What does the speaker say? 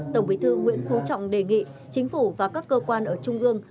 tổng bí thư nguyễn phú trọng đề nghị chính phủ và các cơ quan ở trung ương